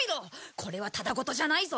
これはただごとじゃないぞ！